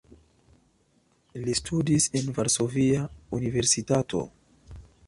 Li studis en Varsovia Universitato.